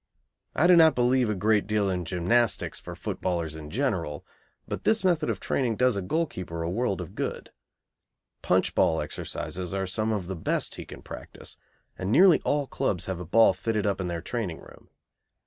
I do not believe a great deal in gymnastics for footballers in general, but this method of training does a goalkeeper a world of good. [Illustration: SAVING A "HIGH FLYER."] Punch ball exercises are some of the best he can practise, and nearly all clubs have a ball fitted up in their training room.